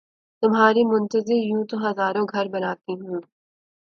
تمہاری منتظر یوں تو ہزاروں گھر بناتی ہوں